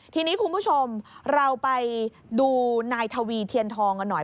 ทีนี้คุณผู้ชมเราไปดูนายทวีเทียนทองกันหน่อย